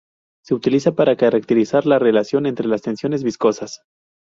Se utiliza para caracterizar la relación entre las tensiones viscosas.